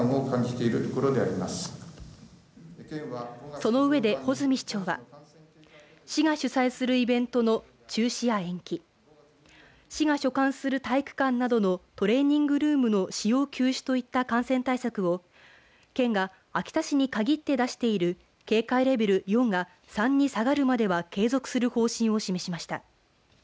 その上で穂積市長は市が主催するイベントの中止や延期市が所管する体育館などのトレーニングルームの使用休止といった感染対策を県が秋田市に限って出している警戒レベル４が３に下がるまでは継続する方針を示しました。